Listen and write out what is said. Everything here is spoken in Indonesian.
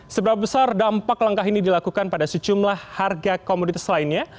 seberapa besar dampak langkah ini dilakukan pada sejumlah harga komoditas lainnya